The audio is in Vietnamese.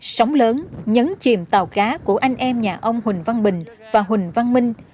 sóng lớn nhấn chìm tàu cá của anh em nhà ông huỳnh văn bình và huỳnh văn minh